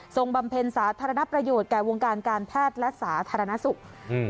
บำเพ็ญสาธารณประโยชน์แก่วงการการแพทย์และสาธารณสุขอืม